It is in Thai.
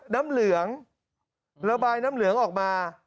น้ำเหลืองระบายน้ำเหลืองออกมา